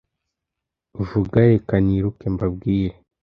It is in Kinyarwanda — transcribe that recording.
Vuga reka niruke mbabwire